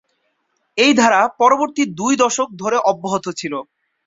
এই ধারা পরবর্তী দুই দশক ধরে অব্যাহত ছিল।